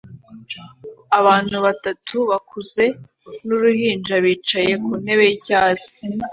Abantu batatu bakuze n'uruhinja bicaye ku ntebe y'icyatsi